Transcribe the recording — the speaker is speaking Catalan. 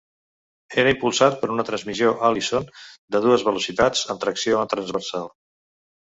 Era impulsat per una transmissió Allison de dues velocitats amb tracció transversal.